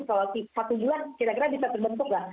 kalau satu bulan kita kira bisa terbentuk tidak